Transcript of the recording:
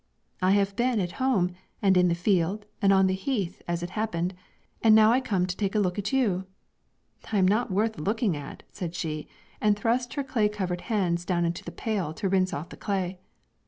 'I have been at home, and in the field, and on the heath, as it happened, and now I come to take a look at you.' 'I am not worth looking at,' said she, and thrust her clay covered hands down into the pail to rinse off the clay.